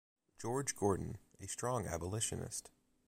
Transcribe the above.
George Gordon, a strong abolitionist.